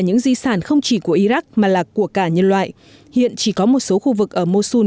những di sản không chỉ của iraq mà là của cả nhân loại hiện chỉ có một số khu vực ở mosun